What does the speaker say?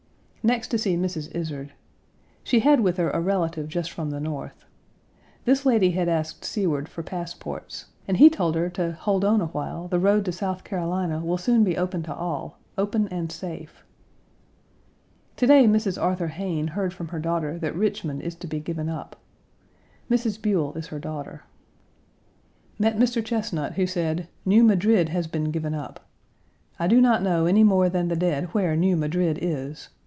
Next to see Mrs. Izard. She had with her a relative just from the North. This lady had asked Seward for passports, and he told her to "hold on a while; the road to South Carolina will soon be open to all, open and safe." To day Mrs. Arthur Hayne heard from her daughter that Richmond is to be given up. Mrs. Buell is her daughter. Met Mr. Chesnut, who said: "New Madrid1 has been given up. I do not know any more than the dead where New Madrid is.